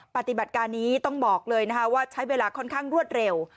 ปฏิบัติการนี้ต้องบอกเลยนะคะว่าใช้เวลาค่อนข้างรวดเร็ว